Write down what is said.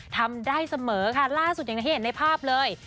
ทำได้เสมอค่ะล่าสุดอย่างที่เห็นในภาพเลย